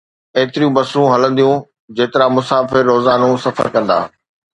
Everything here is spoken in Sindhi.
ايتريون بسون هلنديون، جيترا مسافر روزانو سفر ڪندا.